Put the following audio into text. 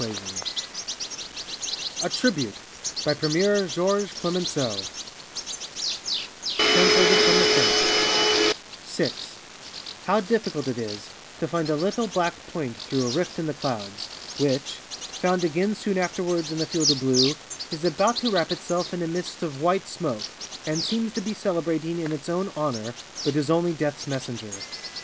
[Illustration: GUYNEMER, THE ACE OF ACES] GUYNEMER, THE WINGÈD SWORD OF FRANCE A Tribute, by Premier Georges Clemenceau Translated from the French SIX "How difficult it is to find a little black point through a rift in the clouds, which, found again soon afterwards in the field of blue, is about to wrap itself in a mist of white smoke, and seems to be celebrating in its own honor, but is only Death's messenger.